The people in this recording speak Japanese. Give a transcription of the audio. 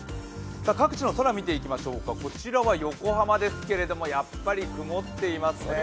各地の空見ていきましょうか、こちらは横浜ですけれども、やっぱり曇っていますね。